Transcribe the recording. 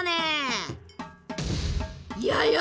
やや！